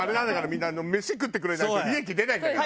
みんなメシ食ってくれないと利益出ないんだから。